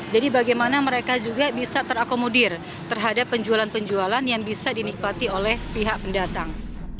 jadi bagaimana mereka juga bisa terakomodir terhadap penjualan penjualan yang bisa dinikmati oleh pihak pendatang